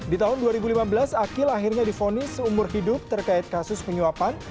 di tahun dua ribu lima belas akil akhirnya difonis seumur hidup terkait kasus penyuapan